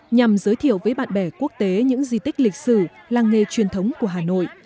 nhằm giới thiệu với bạn bè quốc tế những di tích lịch sử làng nghề truyền thống của hà nội